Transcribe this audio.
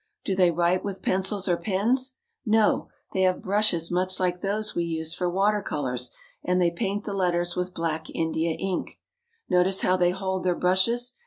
Do they write with pencils or pens ? No, they have brushes much like those we use for water colors, and they paint the letters with black India ink. Notice how they hold their brushes.